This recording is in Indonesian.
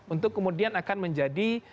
untuk kemudian akan menjadi